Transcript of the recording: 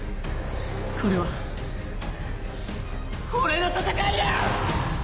これは俺の戦いや！